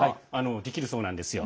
できるそうなんですよ。